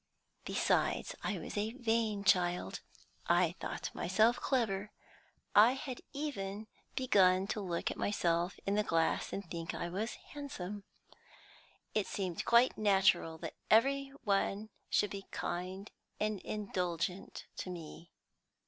Besides, I was a vain child; I thought myself clever; I had even begun to look at myself in the glass and think I was handsome. It seemed quite natural that every one should be kind and indulgent to me.